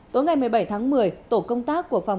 tối ngày một mươi bảy tháng một mươi